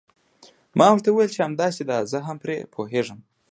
ما ورته وویل چې همداسې ده او زه هم پرې پوهیږم.